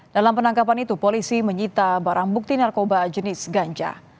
dalam penangkapan itu polisi menyita barang bukti narkoba jenis ganja